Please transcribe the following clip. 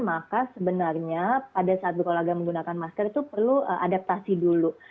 maka sebenarnya pada saat berolahraga menggunakan masker itu perlu adaptasi dulu